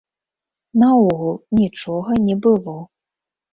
Наогул, нічога не было.